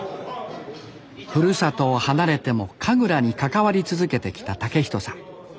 ふるさとを離れても神楽に関わり続けてきた健人さん。